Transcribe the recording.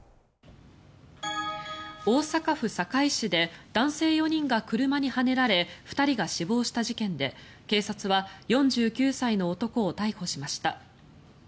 大阪府堺市で男性４人が車にはねられ２人が死亡した事件で、警察は４９歳の男を逮捕しました。